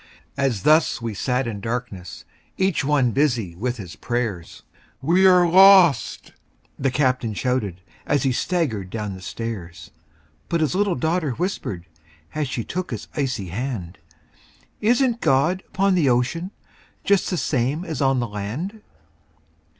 As thus we sat in darkness Each one busy with his prayers, "We are lost!" the captain shouted, As he staggered down the stairs. But his little daughter whispered, As she took his icy hand, "Isn't God upon the ocean, Just the same as on the land?"